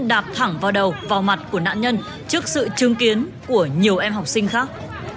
đạp thẳng vào đầu vào mặt của nạn nhân trước sự chứng kiến của nhiều em học sinh khác